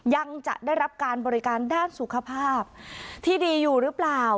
ยังจะได้รับการบริการด้านสุขภาพที่ดีอยู่หรือเปล่า